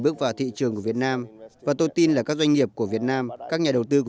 bước vào thị trường của việt nam và tôi tin là các doanh nghiệp của việt nam các nhà đầu tư